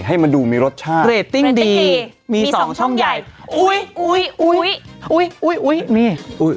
ให้มันดูมีรสชาติเรตติ้งดีมี๒ช่องใหญ่อุ๊ย